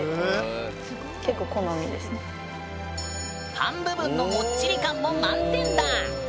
パン部分のもっちり感も満点だ！